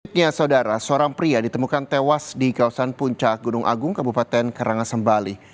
selanjutnya saudara seorang pria ditemukan tewas di kawasan puncak gunung agung kabupaten karangasembali